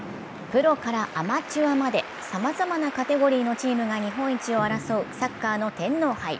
プロからアマチュアまでさまざまなカテゴリーのチームが日本一を争う、サッカーの天皇杯。